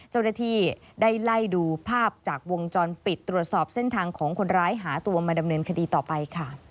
เจ้าหน้าที่ได้ไล่ดูภาพจากวงจรปิดตรวจสอบเส้นทางของคนร้ายหาตัวมาดำเนินคดีต่อไปค่ะ